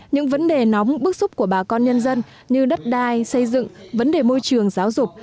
những vấn đề nóng bức xúc của bà con nhân dân như đất đai xây dựng vấn đề môi trường giáo dục